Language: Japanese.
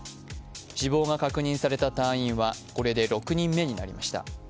死亡が確認された隊員は、これで６人目になりました。